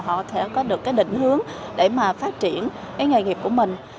họ sẽ có được định hướng để phát triển nghề nghiệp của mình